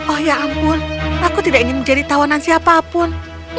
oh ya ampun aku tidak ingin menjadi tawanan siapapun